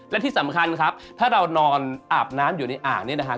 และที่สำคัญครับถ้าเรานอนอาบน้ำอยู่ในอ่างเนี่ยนะฮะ